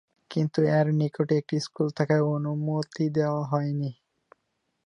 কিন্তু এর নিকটে একটি স্কুল থাকায় অনুমতি দেওয়া হয়নি।